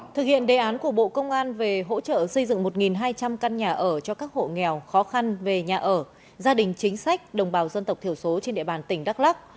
thực hiện đề án của bộ công an về hỗ trợ xây dựng một hai trăm linh căn nhà ở cho các hộ nghèo khó khăn về nhà ở gia đình chính sách đồng bào dân tộc thiểu số trên địa bàn tỉnh đắk lắc